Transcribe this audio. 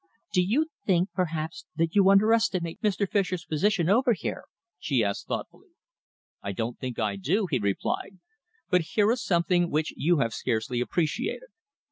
"Do you think, perhaps, that you underestimate Mr. Fischer's position over here?" she asked thoughtfully. "I don't think I do," he replied, "but here is something which you have scarcely appreciated.